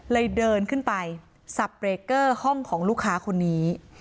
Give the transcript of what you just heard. เดินขึ้นไปสับเบรกเกอร์ห้องของลูกค้าคนนี้